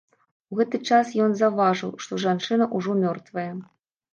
У гэты час ён заўважыў, што жанчына ўжо мёртвая.